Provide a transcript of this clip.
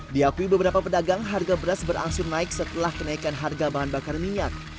diakui beberapa pedagang harga beras berangsur naik setelah kenaikan harga bahan bakar minyak